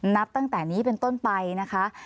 นับตั้งแต่นี้เป็นต้นไปนะคะ